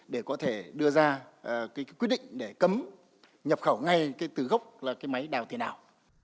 để có thể đưa ra quy định để cấm nhập khẩu ngay từ gốc máy đào tiền ảo